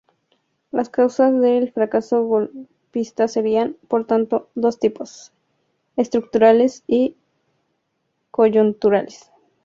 Las causas del fracaso golpista serían, por tanto, de dos tipos: estructurales y coyunturales.